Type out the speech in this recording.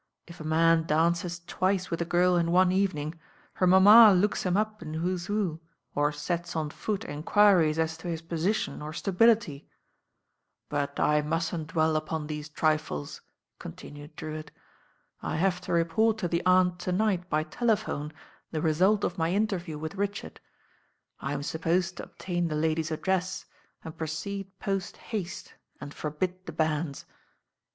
If a man dances twice with a girl in one evening, her mamma looks him up in fVho's fVho, or sets on foot enquiries as to his position or stability. But I »» LORD DREWITT: AMBASSADOR 299 mustn^t dwell upon these triHes," continued Drewitt. "I have to report to the Aunt to night by telephone the result of my interview with Richard. I'm sup posed to obtain the lady's address and proceed post haste and forbid the banns."